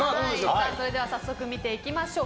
それでは早速見ていきましょう。